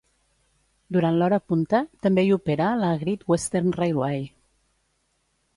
Durant l'hora punta, també hi opera la Great Western Railway.